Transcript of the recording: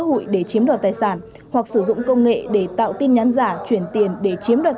hụi để chiếm đoạt tài sản hoặc sử dụng công nghệ để tạo tin nhắn giả chuyển tiền để chiếm đoạt